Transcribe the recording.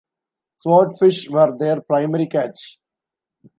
Swordfish were their primary catch.